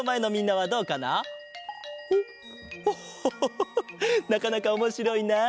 オホホホなかなかおもしろいな。